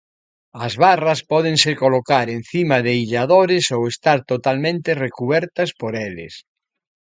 As barras pódense colocar encima de illadores ou estar totalmente recubertas por eles.